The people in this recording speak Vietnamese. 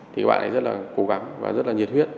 thì bạn ấy rất là cố gắng và rất là nhiệt huyết